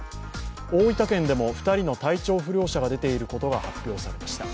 大分県でも２人の体調不良者が出ていることが発表されました。